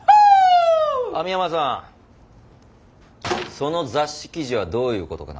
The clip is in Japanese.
その雑誌記事はどういうことかな？